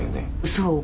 そう。